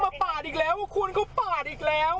มาปากอีกแล้ว๑เขาปากอีกแล้ว